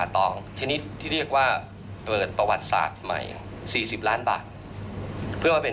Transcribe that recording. ทีนี้หน่วยอื่น